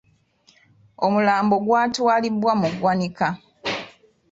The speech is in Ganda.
Omulambo gwatwalibwa mu ggwanika.